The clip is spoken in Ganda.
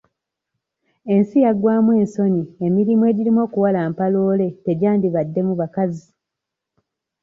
Ensi yaggwamu ensonyi emirimu egirimu okuwalampa loole tegyandibaddemu bakazi.